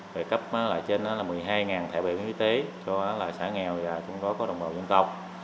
rồi cấp lại trên đó là một mươi hai thẻ bệnh y tế cho xã nghèo và trong đó có đồng bào dân tộc